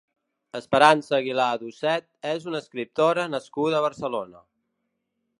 Esperanza Aguilà Ducet és una escriptora nascuda a Barcelona.